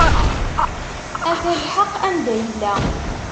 Ata lḥeq anda yella.